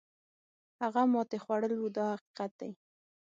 هغه ماتې خوړل وو دا حقیقت دی.